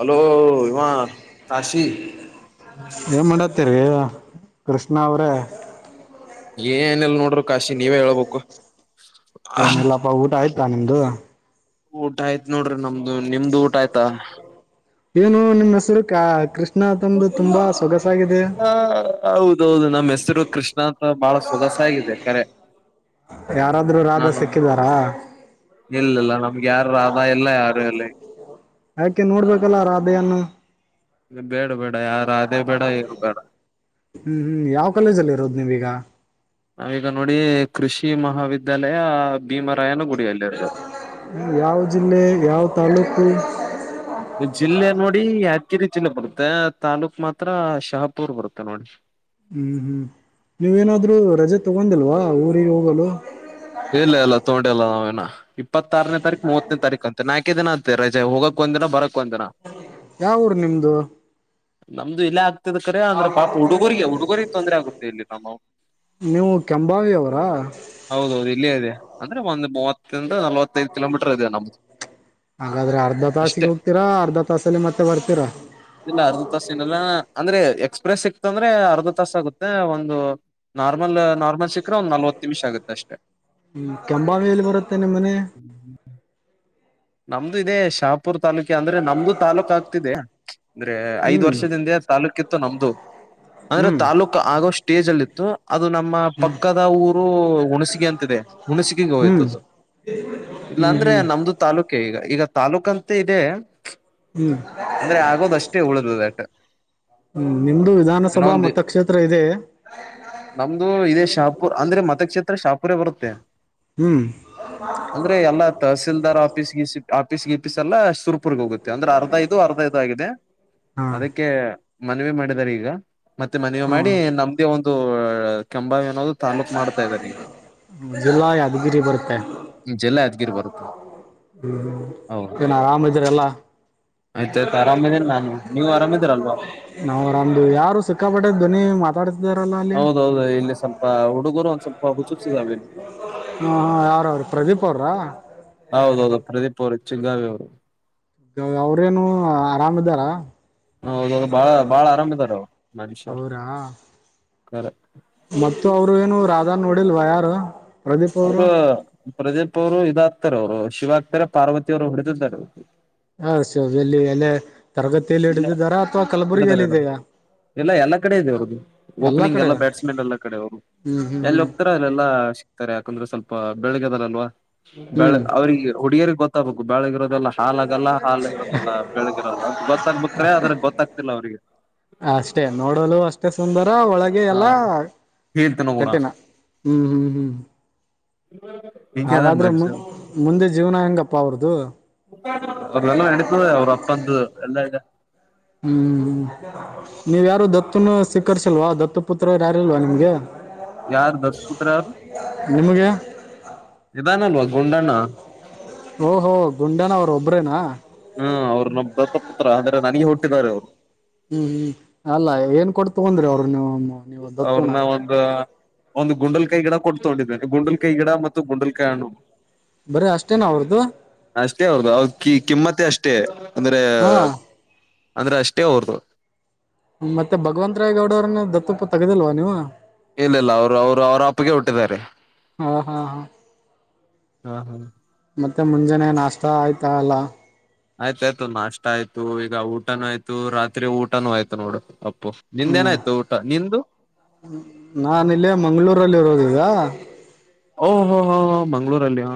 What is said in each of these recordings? Hello ಇವ ಕಾಶಿ ಏನ್ ಮಾಡತ್ತೀರಿ? ಕೃಷ್ಣ ಅವ್ರೇ. ಏನಲ್ ನೋಡ್ರಿ ಕಾಶಿ ನೀವೇ ಹೇಳ್ಬೇಕು. ಏನಿಲ್ಲಪ್ಪ ಊಟ ಆಯ್ತ್ ತ್ತ ನಿಮ್ಮ್ದು? ಊಟ ಆಯ್ತ ನೋಡ್ರಿ ನಮ್ ದು ನಿಮ್ದು ಊಟ ಆಯ್ತಾ? ಏನು ನಿನ್ನೆಸರು ಕ ಕೃಷ್ ಹ ಹೌದೌದು ನಮ್ಮ್ ಹೆಸರು ಕೃಷ್ಣ ಅಂತ ಬಹಳ ಸೊಗಸಾಗಿದೆ ಕರೆ. ಯಾರಾದ್ರೂ ರಾಧ ನಾನು ಸಿಕ್ಕಿದಾರಾ? ಮ್ಗೆ ಯಾರು ರಧಾ ಇಲ್ಲ ಯಾರು ಇಲ್ಲಿ. ಆಕೆ ನೋಡ್ಬೇಕಲ್ಲಾ ರಾಬೇಯನ್ನು. ಬೇಡ ಬೇಡಾ ಯಾರ ರಾಧೇ ಬೇಡಾ ಎರು ಬೇಡಾ. ಹ್ಮ ಹ್ಮ್ ಯಾವ ಕ್ವಾಲೇಜ ಅಲ್ಲಿ ಇರೋದ ನೀವ್ ಇಗಾ. ನಾವೀಗ ನೋಡಿ ಕೃಷಿ ಮಹಾವಿದ್ಯಾಲಯಾ ಭೀಮರಾಯನು ಗುತ್. ಹ್ಮ ಯಾವ್ ಜಿಲ್ಲೆ ಯಾವ. ತಾಲೂಕು. ಜಿಲ್ಲೆ ನೋಡಿ ಯಾದಗಿರಿ ಜಿಲ್ಲೆ ಬರುತ್ತೆ ತಾಲೂಕ್ ಮಾತ್ರಾ ಶಹಾಪುರ್ ಬರುತ್ತೆ ನೋಡಿ. ಅಹ್ಮ್ ಹ್ಮ್ ನೀವ ಏನಾದ್ರು ರಜೆ ತಗೊಂಡಿಲ್ವಾ. ಆ ಊರಿಗ ಹೋಗಲು. ಇಲ್ಲ ಎಲ್ಲಾ ತೊಂಡೆಲ್ಲಾ ನಾವೇನ. ಣ್ಹಾ ಟಿಪ್. ಇಪ್ಪತ್ತಾರನೇ ತಾರಿಕ್ ಮೂವತ್ತನೇ ತಾರಿಕ ಅಂತೆ ನಾ. ಕ್ಕೆ ದಿನಾ ಆತ್ತೆ ರಜಾ ಹೋಗಕ್ ಒಂದ ದಿನ ಬರಕ್. ಒಂದಿನ ಯಾವ ಊರ ನಿಮ್ದು. ನಮ್ದು ಇಲ್ಲ್ಯಾದ. ತ್ತಿದ ಕಡೆ ಅಂದ್ರ ಪಾಪ ಹುಡುಗೊರಿಗೆ ಹುಡುಗೊರಿಗೆ ತೊಂದ್ರರೆ ಆಗುತ್ತೆ ಇಲ್ಲಿ ನಮ್ಮವು ನೀವು ಕೆಂಬಾವಿ ಅವರಾ ಹೌದೌದ. ಅಂದ್ರೆ ಒಂದ್ ಮೂವತ್ತಿಂದ ನಲ್ವತ್. ಹಾಗಾದ್ರೆ ಅರ್ಧಾ ತಾಸಿಗೆ ಅಷ್ಟೇ ಹೋಗ್ತೀರಾ ಅರ್ಧಾ ತಾಸಲ್ಲಿ ಮತ್ತೆ ಬರ್ತೀರಾ. ಇಲ್ಲ ಅರ್ಧ ತಾಸ ಏನಲ್ಲ ಅಂದ್ರೆ ಎಕ್ಸ್ಪ್ರೆಸ್ ಸಿಕ್ತಂದ್ರೆ ಅರ್ಧಾ ತಾಸ ಆಗುತ್ತೆ ಒಂದು ನಾರ್ಮಲ್ ನಾರ್ಮಲ್ ಸಿಕ್ಕ್ರೆ ಒಂದ್ ನಲ್ವತ್ತ ನಿಮಿಷ ಆಗುತ್ತೆ ಅಷ್ಟೆ. ಹ್ಮ ಕೆಂಬಾವಿಯಲ್ಲಿ ಬರತೇ ನಿಮ್ ಮನಿ. ನಮ್ದು ಇದೆ ಶಾಪ್. ಪುರ್ ತಾಲೂಕಿ ಅಂದ್ರೇ ನಮ್ದು ತಾಲೂಕ ಆದ್. ತ್ತಿದ್ದೆ. ಅಂದ್ರೆ ಐದ್ ಹ್ಮ್ ವರ್ಷದ ಹಿಂದೆ ತಾಲೂಕ ಇತ್. ತ್ತ ನಮ್ದು. ಅಂದ್ರೆ ಹ್ಮ್ ಹ್ಮ್ ತಾಲೂಕ್ ಆಗೋ ಸ್ಟೇಜ್ ಅಲ್ಲಿ ಇತ್ತು ಅದು ನಮ್ಮ ಪಕ್ಕದ ಊರು ಹುಣಸಿಗೆ ಅಂತಿದೆ ಹುಣಸಗಗೆ ಹ್ಮ್ ಹೋಯ್ತುದು ಇಲ್ಲಾ ಹ್ಮ್ ಅಂದ್ರೆ ಹ್ಮ್ ನಮ್ದು. ತಾಲೂಕ್ಕೆ ಈಗ ಈಗತ. ತಾಲ್ಲೂಕ ಅಂತೆ ಇದೆ. ಅಂದ್ರೆ ಆಗೋದ ಅಷ್ಟೇ ಉಳಿದದ ಯಾಕ ಹ್ಮ್ ನಿಮ್ದು ವಿಧಾನಸಭಾ ಇನೊಂದಿ ಮತಕ್ಷೇತ್ರ ಇದೆ ನಮ್ದು ಇದೇ ಶಾಪುರ್ ಅಂದ್ರೆ ಮತಕ್ಷೇತ್ರ ಶಾಪ. ಪೂರೆ ಬರುತ್ತೆ. ಹ್ಮ್ ಅಂದ್ರೆ ಎಲ್ಲಾ ತಹಸೀಲ್ದಾರ್ಪ. ಸಿಟ್ ಆಫೀಸ್ ಗಿಪಿಸ್ ಎಲ್ಲಸ. ತುರ್ಪುರ್ಗೆ ಹೋಗುತ್ತೆ ಅಂದ್ರೆ ಅರ್ಧಾ ಇದು ಅರ್ಧಾ ಇದು ಆಗಿದೆ ಹಾ ಅದಕ್ಕೆ. ಮನವಿ ಮಾಡಿದಿದ್ದಾರೆ ಈಗ. ಮತ್ತೆ ಮನವಿ ಮಾಡಿ ಹ್ಮ ನಮ್ದೇ ಒಂದು. ರ ಕೆಂಬಾವಿ ಅನ್. ಜಿಲ್ಲಾ ಯಾದಗಿರಿ ಬರುತ್ತೆ. ಜಿಲ್ಲಾ ಯಾದಗಿರ್. ಬರುತ್ತೊ. ಹ್ಮ್ ಹ್ಮ್ ಏನ ಆರಾಮ್ ಇದಿರಲ್ಲಾ ಆಯ್ತಾಯ್ತು ಆರಾಮಿದೇನೆ ನಾನು ನೀವು ಆರಾಮಿದೀರಲ್ವಾ ನಾವು ಆರಮದೇವಿ ಯಾರು ಸಿಕ್ಕಾಪಟ್ಟೆ ಧ್ವನಿ ಮಾತ್. ಹೌದ ಹೌದು ಇಲ್ಲಿ ಸ್ವಲ್ಪ ಹುಡುಗರು ಒಂನ್ ಸ್ವಲ್ಪ. ವ ಹಚ್ಚುಚು ಚಿದ್ದಾವೆನ್. ಹ ಹಾ ಯಾರ ಅವ್ರ ಪ್ರದೀಪ್ ಅವ್ರಾ. ಹೌದೌದು ಪ್ರದೀಪ್ ಅವ್ರಿದ್. ಚಿಂಗಾವಿ ಅವ್ರು. ಗ ಅವ್ರೇನು ಆರಾಮ ಇದ್ದಾರಾ. ಹೌದು ಬಾಳ ಬಾಳ ಆರಾಮ್ ಇದಾರ ಅವ್ರ ಮನಷ್ಯರು. ಅವರಾ ಕರ. ಮತ್ತು ಅವ್ರ ಏನು ರಾ. ಝಾನ್ ನೋಡಿಲ್ವಾ ಯಾರು. ಪ್ರದೀಪ್ ಅವರು ಅವ್ರು ಪ್ರದೀಪ್ ಅವರು ಇದಾದ. ತ್ತರ ಅವ್ರು ಶಿವಾ ಆಗ್ತಾರೆ ಪಾರ್ವತಿಯವ್ರು ಹೊಡಿದ್ದಾರೆ ಅವ್ಗಿ. ಹಾ ಶೀವ ಎಲ್ಲಿ ಏನ. ಇಲ್ಲ ಹಿಡಿದೇರೆಡೊ ಇದೆಯಾ ಇಲ್ಲ ಎಲ್ಲಾ ಕಡೆ ಇದೆ ಅವ್ರದು ಎಲ್ಲಾ ಓಪನಿಂಗ್ ಎಲ್ಲ ಕಡೆ ಬ್ಯಾಟ್ಸ್ಮನ್ ಎಲ್ಲಾ ಕಡೆ ಅವರು ಹ್ಮ್ ಹ್ಮ್ ಎಲ್ಲಿ ಹ್ಮ್ ಹೋಗ್ತಾರೆ ಅಲ್ಲೆಲ್ಲಾ ಸಿಕ್ತಾರೆ ಯಾಕಂದ್ರೆ ಸ್ವಲ್. ಪ ಬೆಳಿಗಿದರಲ್ವಾ. ಹ್ಮ್ ಬೆಳ್ಳಗ ಅವ್ರಿಗೆ ಹುಡುಗಿಯರ್ಗ್ ಗೊತ್ತ. ತ್ತಬುಕು ಬೆಳ್ಳಗ ಇರೊದ. ದನ್ನಾ ಶಾನಗಲ್ಲಾ ಹಾಲಗ ಇರೋದಲ್ಲ ಬೆಳಗಿರಲ್ಲ ಅಂತ ಗೊತ್ತ್. ಅಹ್ ಅಷ್ಟೇ ನೋಡಲು ಅಷ್ಟೇ ಸುಂದ. ದೊ ಒಳಗೆ ಹಾ ಎಲ್ಲಾ ಹೇಳ್ತನ ಗುಣ ಕಠಿಣ ಹ್ಮ್ ಹ್ಮ್ ಹ್ಮ್. ಹಿಂಗದ ಹಾಗಾದ್ರೆ ಮಜ ಮು ಮುಂದೆ ಜೀವನ ಹೆಂಗಪ್ಪಾ ಅವ್ರದು. ಅದೆಲ್ಲ ನಡಿತದ. ಅವ್ರ ಅಪ್ಪಂದು ಎಲ್ಲಾ ಇದೆ. ಹ್ಮ್ ನೀವ್ ಯಾರು ದಪ್ಪ. ಸ್ವೀಕರಿಸಿಲ್ಲ ದತ್ತು ಪುತ್ರರ್ ಯಾರು ಇಲ್ವಾ ನಿಮ್ಗೆ. ಯಾರ ದಶಪುತ್ರ ಯಾರೂ ನಿಮ್ಗೆ ಇದಾನಲ್ವಾ. ಗುಂಡಣ್ಣ. ಓಹೋ ಗುಂಡಣ್ಣ ಅವರು ಒಬ್ರೇನಾ. ಹ್ಮ್ ಅವ್ರ ನಮ್ ದತ್ತಪುತ್ರ ಅಂದ್ರೆ ನನಗೆ ಹುಟ್ಟಿದ್ದಾರೆ ಅವ್ರು. ಹ್ಮ್ ಹ್ಮ್ ಅಲ್ಲ ಏನ್ ಕೊಡ್ ತಗೊಂಡ್ರಿ ಅವ್ರ ನೀವು. ನೀವು ದತ್ತುನ ಅವ್ರನ್ನ ಒಂದು. ಒಂದು ಗುಂಡಲ್ ಕೈ ಗಿಡ ಕೊಟ್. ತಗೊಂಡಿದ್ದಾರೆ ಗುಂಡಲ್ ಕೈ ಗಿಡ ಮತ್ತ. ಗಂಡಲ್ ಕಾಯಿ ಹಣ್ಣು. ಬರೀ ಅಷ್ಟೇನ ಅವ್ರದ್ದು ಅಷ್ಟೇ ಹೊರದು ಅವಿ ಕಿಮ್ಮತ್ತ ಅಷ್ಟೇ. ಅಷ್ಟೇ. ಅಂದ್ರೆ. ಹಾ ಅಂದ್ರೆ ಅಷ್ಟೇ ಅವ್ರ್ದು. ಮತ್ತೆ ಭಗವಂತ್ ರಾಯ್ ಗೌಡ ಅವ್ರನ್ನ ದತ್ತುಗೆ ತಗದಿಲ್ವ ನೀವು. ಇಲ್ಲ ಇಲ್ಲ ಅವರು ಅವ್ರು ಅವ್ರ ಅಪ್ಪಗೆ ಹುಟ್ಟಿದ್ದಾರೆ. ಹಾ ಹಾ ಹಾ ಹ್ಮ ಹ್ಮ. ಮತ್ತೆ ಮುಂಜಾನೆ ನಾಷ್ಟ ಆಯ್ತಾ ಅಲ್ಲ. ಆಯ್ತಾಯ್ತು ನಾಷ್ಟ ಆಯ್ತು ಈಗ ಊಟನು ಆಯ್ತು ರಾತ್ರಿ ಊಟನು ಆಯ್ತು ನೋಡು ಅ. ಹ್ಮ್ ನಾನ್ ಇಲ್ಲೇ ಮಂಗ್ಳೂರಲ್ಲಿರೋದ ಈಗ. ಓಹ ಹೊ ಹೊ ಹ ಮಂಗಳೂರಲ್ಲಿ ಹಾ.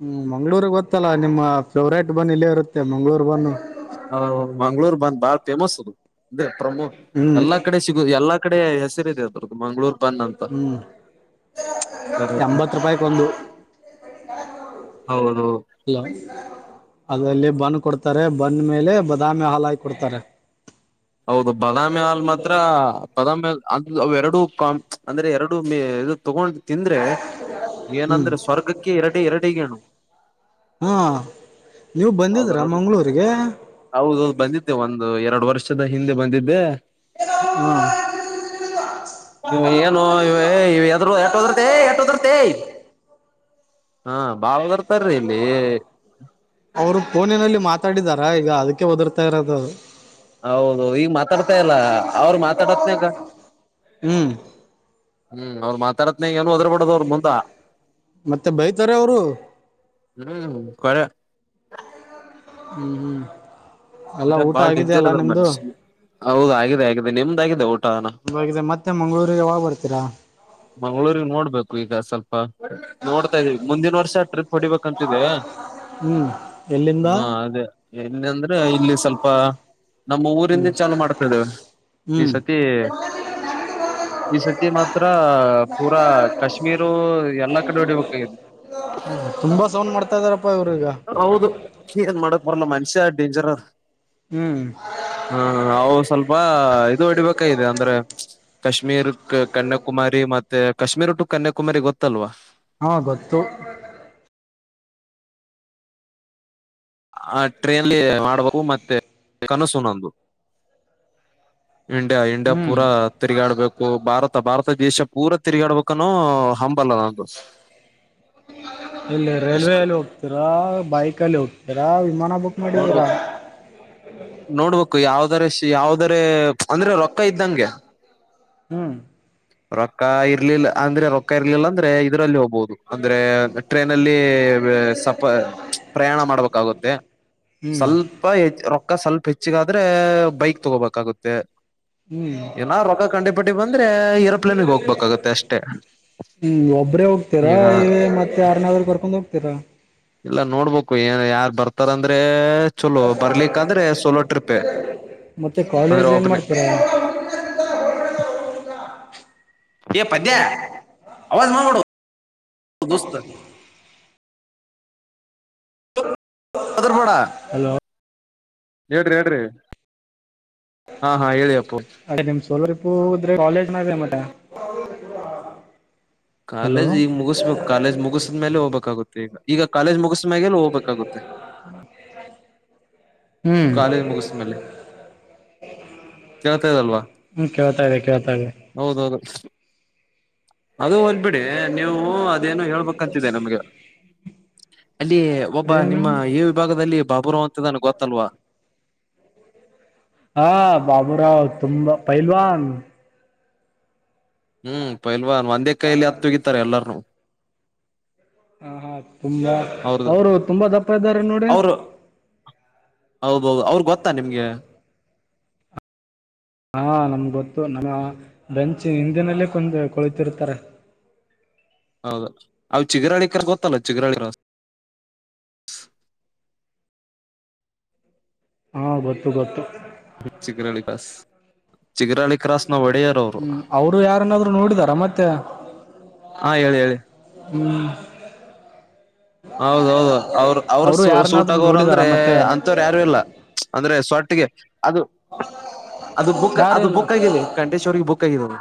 ಹ್ಮ್ ಮಂಗಳೂರು ಗೊತ್ತಲ್ಲಾ ನಿಮ್ಮ ಫೇವರೇಟ್ ಬನ್ ಇಲ್ಲ ಇರುತ್ತೆ ಮಂಗಳೂರು ಬನ್. ಹ ಮಂಗಳೂರು ಬನ್ ಬಹಳ ಫೇಮಸ್ ಅದು ಅದೇ. ಪ್ರಮೋ ಹ್ಮ್ ಎಲ್ಲಾ ಕಡೆ ಸಿಗ ಎಲ್ಲಾ ಕಡೆ ಹೆಸರಿದೆ ಅದು. ಮಂಗಳೂರು. ಬನ್ ಅಂತ ಹ್ಮ್ ಬರ ಎಂಬತ್ತು ರೂಪಾಯಿಕ್ ಒಂದು ಹೌದ್ ಹೌ. ಅದರಲ್ಲಿ ಬನ್ ಕೊಡ್ತಾರೆ ಬನ್ ಮೇಲೆ ಬಾದಾಮಿ ಹಾಲು ಹಾಕಿ ಕೊಡ್ತಾರೆ. ಹೌದು ಬಾದಾಮಿ ಹಾಲ್ ಮಾತ್ರ ಬಾದಾಮಿ ಹಾಲು. ಅ ಎರಡು ಕ ಅಂದ್ರೆ ಎರಡು ಒಮ್ಮೆ ಇದು. ತಗೊಂಡ ತಿಂದ್ರೆ ಹ್ಮ್ ಏನಂದ್ರೆ ಸ್ವರ್ಗಕ್ಕೆ ಎರಡ ಎರಡಗಏನು ಹಾ ನೀವು ಬಂದಿದ್ರಾ ಮಂಗ್ಗಳೂರಿಗೆ ಹೌದೌ ಬಂದಿದ್ದೆ ಒಂದು ಎರಡು ವರ್ಷ ವರ್ಷದ ಹಿಂದೆ ಬಂದಿದ್ದೆ ಹಾ [inaudible] ಏನು ಎದ್ರೂ ಎಟ ಒದ್ರತೆ ಎಟ ಒದ್ರತೆ ಹಾ ಬಾಳ ಒದರ್ತಾರಿ ಇಲ್ಲಿ ಅವರು ಪೋನಿನಲ್ಲಿ ಮಾತ್ರ ಮಾತಾಡಿದಾರಾ ಈಗ ಅದಕ್ಕೆ ಒದರ್ತಾ ಇರೋದು ಹೌದು ಈಗ ಮಾತಾಡ್ತಾ ಇಲ್ಲ ಅವ್ರ ಮಾತಾಡತ್ನಗ ಹ್ಮ್ ಹ್ಮ್ ಅವ್ರು ಮಾತಾಡ ಏ ಒದರಬಡದ ಅವರ ಮುಂದಾ ಮತ್ತೆ ಬೈತಾರೆ ಅವರು ಹ್ಮ್ ಕರೇ ಹ್ಮ ಹ್ಮ ಎಲ್ಲಾ ಇದ ಊಟ ಬಾಳ ಡೇಂಜರ್ ಆಗಿದ್ಯಲ್ಲಾ ಅದ್ರ ನಿಮ್ದು ಮನುಷ್ಯ ಹೌದ ಆಗಿದೆ ನಿಮ್ದ್ ಆಗಿದೆ ಊಟ ಹಾಗಿದೆ ಮತ್ತೆ ಮಂಗಳೂರಿಗೆ ಯಾವಗ ಬರ್ತೀರಾ ಮಂಗಳೂರಿ ನೋಡ್ಬೇಕು ಈಗ ಸ್ವಲ್ಪ ನೋಡ್ತಾ ಇದೀವಿ ಮುಂದಿನ ವರ್ಷ ಟ್ರಿಪ್ ಹೊಡಿಬೇಕಂತಿದೆ ಹ್ಮ್ ಎಲ್ಲಿಂದ ಎಲ್ಲ ಅಂದ್ರೆ ಇಲ್ಲಿ ಸ್ವಲ್ಪ ನಮ್ಮ ಊರಿಂದ ಚಲು ಮಾಡ್ತದೆ ಈ ಹ್ಮ್ ಸತಿ ಈ ಸತಿ ಮಾತ್ರ ಪ ಪೂರಾ ಕಾಶ್ಮೀರು ಎಲ್ಲಾ ಕಡೆ ಹೊಡಿಬೇಕದೆ ತುಂಬಾ ಸೌಂಡ್ ಮಾಡ್ತಾ ಇದಾರಪ್ಪಾ ಇವ್ರು ಈಗ ಹೌದು ಕಷ ಮಾಡ ಬರಲ್ಲ ಮನುಷ್ಯ ಡೇಂಜರ್ ಅರ ಹ್ಮ್ ಹಾ ಅವು ಸ್ವಲ್ಪ ಇದು ಹೊಡಿಬೇಕ ಇದೆ ಅಂದ್ರೆ ಕಾಶ್ಮೀರ್ ಕನ್ಯಾಕುಮಾರಿ ಮತ್ತೆ ಕಶ್ಮೀರ ಟು ಕನ್ಯಕಮಾರಿ ಗೊತ್ತಲ್ವಾ ಹಾ ಗೊತ್ತು ಆ ಟ್ರೆನ್ಲಿ ಆಡಬೇಕು ಮಾಡ್ಬೇಕು ಮತ್ತೆ ಏ ಕನಸು ನಂದು. ಇಂಡಿಯಾ ಇಂಡಿಯಾ ಹ್ಮ್ ಪೂರಾ ತಿರುಗಾಡ್ಬೇಕು. [unintelligible] ಭಾರತ ಭಾರತ ದೇಶ ಪೂರ ತಿರುಗಾಡ್ಬೇಕಾನೂ ಹಂಬಲ ನಂದು. ಇಲ್ಲಿ ರೈಲ್ವೆ ಇಷ್ಟೇ ಅಲ್ಲಿ ಹೋಗ್ತೀರಾ ಬೈಕಲಿ ಹೋಗ್ತೀ. ಎರಾವ್ ವಿಮಾನ ಬುಕ್ ಮಾಡಿದೀರಾ ನೋಡ್ಬೇಕು ನೋಡ್ಬೇಕು ಯಾವ್ದ. ದರಶಿ ಯಾವುದರೆ ಅಂದ್ರೆ ರೊಕ್ಕ ಇದ್ದಂಗೆ ಹ್ಮ್ ರೊಕ್ಕ ಇರ್ಲಿಲ್ಲ ಅಂದ್ರೆ ರೊಕ್ಕ ಇರ್ಲಿಲ್ಲ ಅಂದ್ರ [unintelligible] ಇದರಲ್ಲೋಗ್ ಹೋಗಬೋದು ಅಂದ್ರೆ ಟ್ರೈನ್ ಅಲ್ಲಿ ಸಫ್ ಪ್ರಯಾಣ ಮಾಡ್ಬೇಕಾಗುತ್ತೆ ಹ್ಮ್ ಸ್ವಲ್ಪ ರೊಕ್ಕ ಸ್ವಲ್ಪ ಹೆಚ್ಚಗ್. ಆದ್ರೆ ಬೈಕ್ ತಗೋಬೇಕಾಗುತ್ತೆ ಹ್ಮ್ [inaudible] ಏನ ರೊಕ್ಕ ಕಂಡಿಪಟ್ಟಿ ಬಂದ್ರೆ ಏರೋಪ್ಲೇನ್ಗೆ ಹೋಗ್ಬೇಕಾಗತ್ತೆ ಅಷ್ಟೇ ಹ್ಮ ಒಬ್ರೇ ಹೋಗ್ತೀರಾ ಈಗ ಇ ಮತ್ತೆ ಆರನಾದ್ರು ಕರ್ಕೊಂಡ್ ಹೋಗ್ತೀರಾ. ಇಲ್ಲ ನೋಡ್ಬೇಕು ಏನ್ ಯಾರ್ ಬರ್ತಾರಂದ್ರೆ. ಚಲೋ ಬರ್ಲಿಕ್ಕಂದ್ರೆ ಸೋಲೋ ಟ್ರಿಪೆ [inaudible] ಮತ್ತೆ ಅಂದ್ರೆ ಕಾಲೇಜ್ ಏನ್ ಒಬ್ನೇ ಮಾಡ್ತೀರಾ [inaudible] ಏ ಪದ್ಯ ಆವಾಜ್ ಮಾಡ್ ಬುಡು. ದೋಸ್ ಲೇ [inaudible] ಹೆದರ್ಬೇಡ ಹಲೋ ಹೇಳ್ರಿ ಹೇಳ್ರಿ ಹಾ ಹಾ ಹೇಳಿ ಅಪ್ ಅದೇ ನಿಮ್ ಸೋಲೊ ಟ್ರಿಪ್ಪು ಪೂದ್ರೆ ಕಾಲೇಜ್ ನೇತ್ತ [unintelligible] ಕಾಲೇಜ್ ಈಗ್ ಮುಗಿಸ್ಬೇಕು ಕಾಲೇಜ್ ಮುಗಸದ್ಮೇಲೆ ಹೋಗ್ಬೇಕಾಗುತ್ತೆ ಈಗ. ಈಗ ಕಾಲೇಜ್ ಮುಗುಸ್ ಮೆಗೆಲ್ ಹೋಗ್ ಬೇಕಾಗುತ್ತೆ. ಹ್ಮ್ ಕಾಲೇಜ್ ಮುಗಸ್ದ್ ಮೇಲೆ ಹ್ಮ್ ಕೇಳ್ತಾ ಇದೆ ಕೇಳ್ತಾ ಇದೆ ಹೌದೌದು ಅದು ಹೋದ್ಬಿಡಿ ನೀವು ಅದೇನು ಹೇಳ್ಬೇಕು. ಕಂತಿದೆ ನಮ್ಗೆ. ಅಲ್ಲಿ ಒಬ್ಬ ಏನು ನಿಮ್ಮ ಈ ವಿಭಾಗದಲ್ಲಿ ಬಾಬು ಅಂತ. ಎಷ್ಟಿದ್ದಾನೆ ಗೊತ್ತಲ್ವಾ. ಹಾ ಬಬುರಾವ. ತುಂಬ ಪೈಲ್ವಾನ್. ಹ್ಮ್ ಪೈಲ್ವಾನ್. ಒಂದೇ ಕೈಯಲ್ಲಿ ಹತ್ ತಗಿತಾರೆ ಎಲ್ಲನು. ಹ ಹಾ ತುಂಬಾ ಅವ್ರದು ಅವರು ತುಂಬಾ ದಪ್ಪ ಇದ್ದಾರೆ ನೋಡ್ರಿ. ಅವ್ರು ಗೆ. ಹಾ ನಮ್ಗೆ ಗೊತ್ತು ನಮ್ಮ ಬೆಂಚ್ ಹಿಂದಿನಲ್ಲೇ ಕುಂದು ಕುಳಿತಿರ್ತಾರೆ ಹೌದು ಅವ್ ಚಿಗರಾಳಿಕ ಗೊತ್ತಲ್ಲ ಚಿಗರಾ ರ. ಹಾ ಗೊತ್ತು ಗೊತ್ತು. ಹ ಚಿಕರಳಿ ಬಸ್. ಹ್ಮ್ ಅವರು ಯಾರನಾದ್ರು ನೋಡಿದಾರ ಮತ್ತೆ. ಹಾ ಹೇಳಿ ಹೇಳಿ ಮ್. ಹೌದೌದು ಅವ್ರ ಅವ್ರ ಸೂಟ್ ಯಾರನ್ನಾದ್ರು ಆಗೋರು ನೋಡಿದಾರ ಅಂದ್ರೆ ಮತ್ತೆ ಅಂತವರು ಯಾರು ಇಲ್ಲ ಅಂದ್ರೆ ಸ್ವಾಟ್ಗೆ. ಅದು ಅದು ಬುಕ್ ಅದು ಯಾರಿಲ್ಲ ಬುಕ್ ಆಗ ಕಂಠೇಶ್ವರಿಗೆ ಬುಕ್ ಆಗಿದ್ದವು.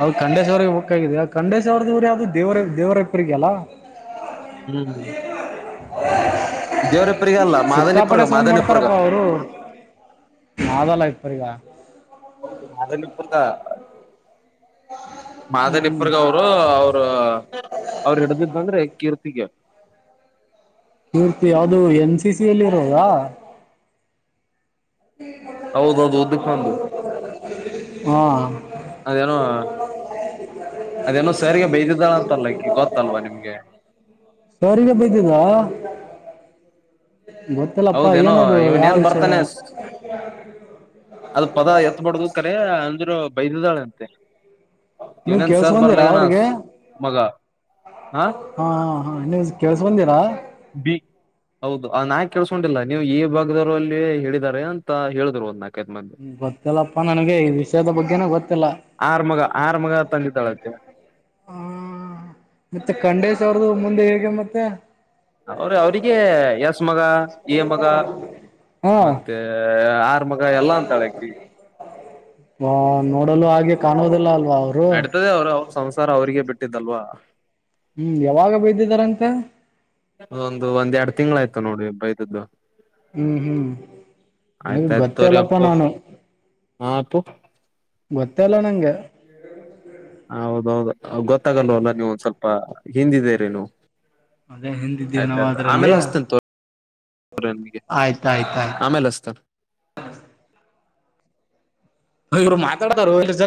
ಅದು ಖಂಡೇಶ್ವರಗೆ ಬುಕ್ಕಾಗಿದೆ ಖಂಡೇಶ್ವರದವ್ರರು ಯಾವ್ದು ದೇವರ ದೇವರ ಇಪ್ಪರಿಗೆ ಅಲ್ಲಾ. ಹ್ಮ್. ದೇವ್ರಪ್ಪರಿಗ ಅಲ್ಲ [unintelligible] ಸಿಕ್ಕಾಪಟ್ಟೆ ಮಾದನಿಪ್ಪರ್ಗ ಸೌೊಂಡ್ ಮಾದನಿಪ್ಪರ್ಗ ಮಾಡ್ತಾರಪ್ಪ ಅವರು ಆದಲ್ಲ ಆಯ್ತು. ಪ್ಪರಿಗ. ಹೌದು ಮಾರನಿಪುರ್ದ. ಮಾದನಿಪ್ಪರ್ಗ ಅವರು ಅವ್ರ ಅವರು ಹಿಡ್ದಿದಂದ್ರೆ ಕೀರ್ತಿಗೆ. ಕೀರ್ತಿ ಯಾವ್ದು. ಅದು ಎನ್ ಸಿ ಸಿ ಅಲ್ಲಿ ಇರೋದ. ಹೌದೌದು ಉದ್ದಕ ಒಂದು ಹಾ ಅದೇನೋ ಅದೇನೋ ಸರ್ರಿಗೆ ಬೈ್ದಿದ್ದಾಳ ಅಂತಲ್ಲ ಅಕಿ ಗೊತ್ತಲ್ವಾ ನಿಮ್ಗೆ. ಸರಿಗೆ ಬೈದಿದ ಗೊತ್ತಿಲ್ಲಪ್ಪಾ ಹೌದೇನೋ ಏನದು ಇವನ್ ಯಾವ ಏನ್ ವಿಷಯ ಬರ್ತಾನೆ ಅದ ಪದ ಎತ್ಬಡ್ದ ಕರಿ. ಅಂದ್ರು ಬೈದಿದಾಳೆ ಅಂತೆ. ನೀವ್ ಇನೇನ್ ಸರ್ ಕೇಳ್ಸ್ಕೊಂದಿರಾ ಬರ್ಲಗೇನ್ ಸ್ ಅವ್ರಿಗೆ ಮಗ ಹಾ. ಹಾ ನೀವು ಕೇಳ್ಸ್ಗೊಂದಿರ ಈ ಹೌದು ಅ ನಾಕ್ ಕೇಳಸ್ಕೊಂಡಿಲ್ಲ ನೀವು ಈ ಭಾಗದವರು ಅಲ್ಲಿ ಹೇಳಿದ್ದಾರೆ ಅಂತ ಹೇಳಿದ್ರು ಅದ್ ನ. ಹ್ಮ ಗೊತ್ತಿಲ್ಲಪ್ಪಾ ನನ್ಗೆ ಈ ವಿಷಯದ ಬಗ್ಗೆನೆ ಗೊತ್ತಿಲ್ಲ. ಆರ್ ಮಗ ಆರ್ ಮಗ ತಂದಿದ್ದಾಳಂತೆ ಹಾ ಮತ್ತೆ ಖಂಡೇಶ್ ಅವ್ರ್ದ ಮುಂದೆ ಹೇಗ್. ಹೇಗೆ ಮತ್ತೆ. ಅವ್ರ ಅವ್ರಿಗೆ ಎಸ್ ಮಗ ಏ ಮಗ ಹಾ ಮತ್ತೆ ಆರ್. ಮಗ ಎಲ್ಲಾ ಅಂತಳೆ ಹಾಕಿ. ಹಾ ನೋಡಲು ಹಾಗೆ ಕಾಣೋದಿಲ್ಲ ಅಲ್ಲ ನಡ್ತದೆ ಅವ್ರು ಅವ್ರ ಸಂಸಾರ ಅವ್ರಿಗೆ ಬಿಟ್. ಇಟ್ಟಿದ್ದಲ್ವಾ ಹ್ಮ್ ಯಾವಾಗ ಬೈದಿದಾರಂತೆ ಹ್ಮ್ ಒಂದ್ ಒಂದು ಎರಡು ತಿಂಗ್ ಆಯ್ತ್ ನೋಡಿ ಬೈ. [unintelligible] ಹ್ಮ್ ಹ್ಮ್ ನನಗೆ ಆಯ್ತಾಯ್ತು ತೋರಿ ಗೊತ್ತೆಲ್ಲಪ್ಪ ಅಪ್ಪು ನಾನು. ಹಾ ಅಪ್ಪು ಗೊತ್ತೇ ಇಲ್ಲ ನಂಗೆ [unintelligible] [unintelligible] ಗೊತ್ತಾಗಲ್ವಲ್ಲ ನೀವು ಒಂದ್ ಸ್ವಲ್ಪ ಹಿಂದಿದರಿ ನೀವು ಅದೇ ಹಿಂದಿದ್ದೀವಿ ನಾವ್ ಆಯ್ತಾಯ್ತು ಅದ್ರಲ್ಲಿ ಆಮೇಲೆ ಹಸ್ತೇನೆ ತೋರಿ ನಿಮ್ಗೆ ಆಯ್ತಾ ಆಯ್ತ್ ಆಯ್ತ್. ಆಮೇಲೆ ಹಸ್ತೇನೆ ಹೊಯ್ ಇವ್ರು ಮಾತಾಡ್ತಾರೋ [unintelligible]